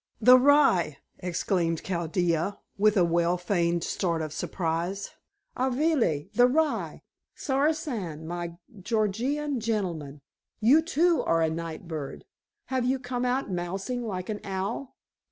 "The rye," exclaimed Chaldea, with a well feigned start of surprise. "Avali the rye. Sarishan, my Gorgious gentleman, you, too, are a nightbird. Have you come out mousing like an owl?